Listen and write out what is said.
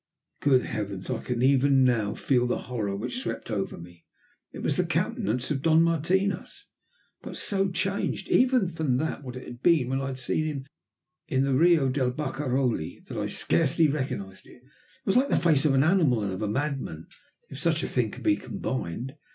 Good heavens! I can even now feel the horror which swept over me. It was the countenance of Don Martinos, but so changed, even from what it had been when I had seen him in the Rio del Barcaroli, that I scarcely recognized it. It was like the face of an animal and of a madman, if such could be combined.